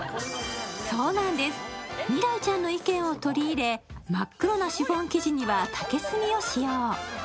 そうなんです、未来ちゃんの意見を取り入れ、真っ黒なシフォン生地には竹炭を使用。